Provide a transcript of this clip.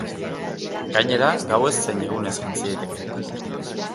Gainera, gauez zein egunez jantzi daitezke.